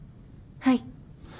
はい。